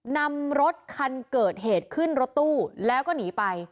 นำรถคันเกิดเหตุขึ้นรถตู้แล้วก็หนีไป